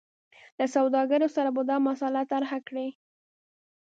له سوداګرو سره به دا مسله طرحه کړي.